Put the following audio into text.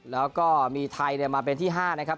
แล้วก็มีไทยที่มาเป็นที่๕